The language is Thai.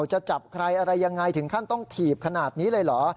จะจับใครอะไรยังไงถึงขั้นต้องถีบขนาดนี้เลยเหรอ